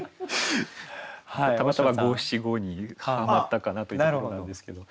たまたま五七五にはまったかなという感じなんですけど。